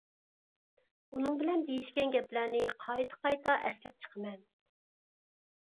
ئۇنىڭ بىلەن دېيىشكەن گەپلەرنى قايتا قايتا ئەسلەپ چىقىمەن.